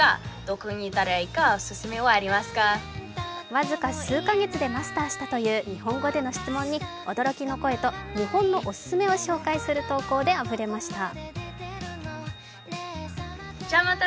僅か数カ月でマスターしたという日本語での質問に、驚きの声と日本のおすすめを紹介する投稿であふれました。